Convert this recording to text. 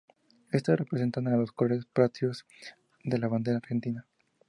Estas representan a los colores patrios de la bandera de Argentina.